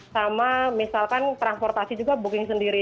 sama misalkan transportasi juga booking sendiri